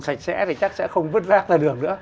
sạch sẽ thì chắc sẽ không vứt rác ra đường nữa